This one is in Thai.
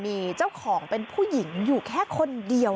มีเจ้าของเป็นผู้หญิงอยู่แค่คนเดียว